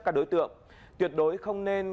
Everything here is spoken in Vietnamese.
các đối tượng tuyệt đối không nên